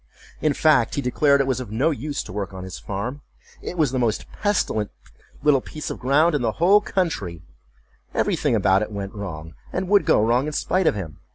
In fact, he declared it was of no use to work on his farm; it was the most pestilent little piece of ground in the whole country; every thing about it went wrong, and would go wrong, in spite of him.